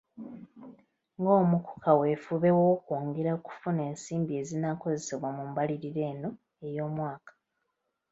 Ng’omu ku kaweefube w’okwongera okufuna ensimbi ezinaakozesebwa mu mbalirira eno ey’omwaka